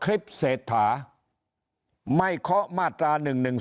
คลิปเศรษฐาไม่เคาะมาตรา๑๑๒